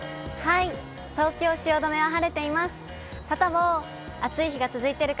東京・汐留は晴れています。